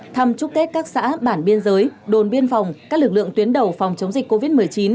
thăm chúc tết các xã bản biên giới đồn biên phòng các lực lượng tuyến đầu phòng chống dịch covid một mươi chín